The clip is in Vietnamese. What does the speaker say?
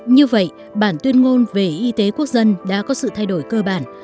như vậy bản tuyên ngôn về y tế quốc dân đã có sự thay đổi cơ bản